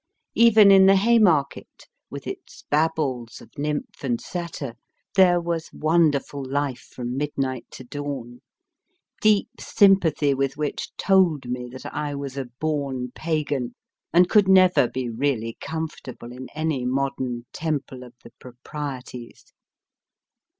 Even in the Haymarket, with its babbles of nymph and satyr, there was wonderful life from midnight to dawn deep sympathy with which told me that I was a born Pagan, and could never be really comfortable in any modern Temple of the Proprieties.